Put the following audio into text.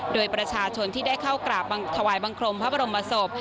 โดยประชาชนที่ได้เข้ากราบถวายบังคมพระบรมศพ